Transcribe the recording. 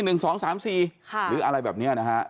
หรืออะไรแบบนี้นะฮะ